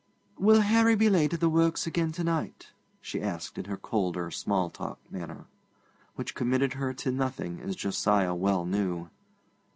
'Will Harry be late at the works again to night?' she asked in her colder, small talk manner, which committed her to nothing, as Josiah well knew.